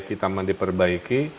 semakin taman diperbaiki